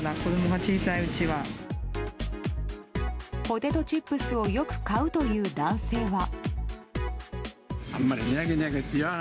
ポテトチップスをよく買うという男性は。